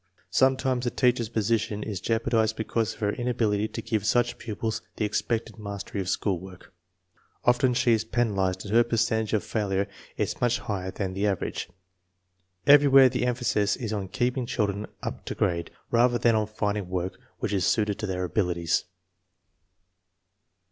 Sometimes the teacher's position is jeopardized because of her inability to give such pupils the expected mastery of school work. Often she is penalized if her percentage of failure is much higher than the average. Everywhere the emphasis is on keeping children up to grade, rather than on finding work which is suited to their abilities.